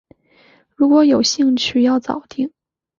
如果有兴趣要早定